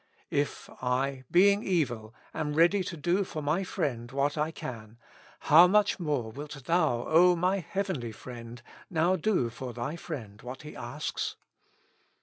If I, being evil, am ready to do for my friend what I can, how much more wilt Thou, O my heavenly Friend, now do for Thy friend what he asks?